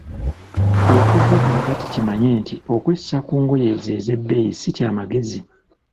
Okuva kaakati kimanye nti okwessa ku ngoye ezo ezebbeeyi si kya magezi.